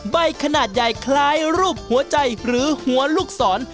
ใบขนาดใหญ่คล้ายรูปหัวใจหรือหัวลูกศร